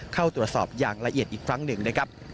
เข้าตรวจสอบอย่างละเอียดอีกครั้งหนึ่งนะครับ